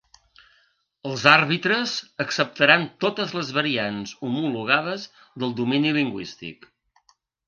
Els àrbitres acceptaran totes les variants homologades del domini lingüístic.